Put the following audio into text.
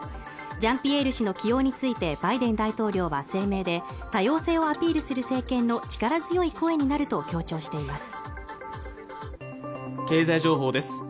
ジャンピエール氏の起用についてバイデン大統領は声明で多様性をアピールする政権の力強い声になると強調しています